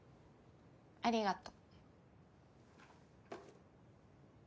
ありがと。